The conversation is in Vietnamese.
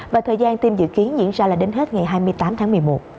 và thời gian tiêm dự kiến diễn ra là đến hết ngày hai mươi tám tháng một mươi một